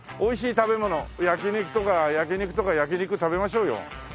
焼き肉とか焼き肉とか焼き肉食べましょうよ。